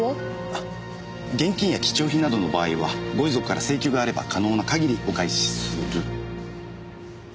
あ現金や貴重品などの場合はご遺族から請求があれば可能な限りお返しする。